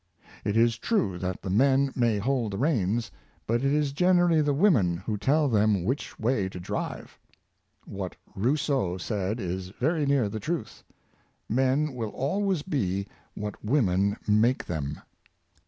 It is true that the men may hold the reins; but it is generally the women who tell them which way to drive. What Rosseau said is very near the truth: "Men will always be what women make them."